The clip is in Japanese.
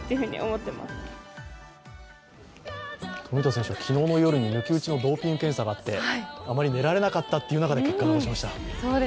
冨田選手は昨日の夜に抜き打ちのドーピング検査があってあまり寝られなかったという中で結果を出しました。